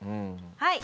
はい。